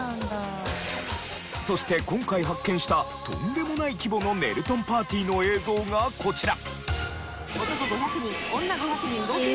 そして今回発見したとんでもない規模のねるとんパーティーの映像がこちら。